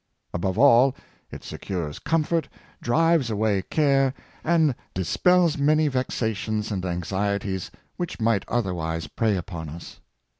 Above all, it secures comfort, drives away care, and dispels many vexations and anxieties which might otherwise prey upon us.